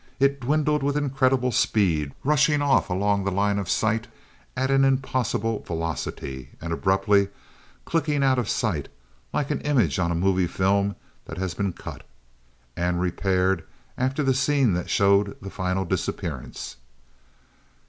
It dwindled with incredible speed, rushing off along the line of sight at an impossible velocity, and abruptly clicking out of sight, like an image on a movie film that has been cut, and repaired after the scene that showed the final disappearance.